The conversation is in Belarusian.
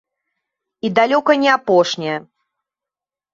І далёка не апошняя.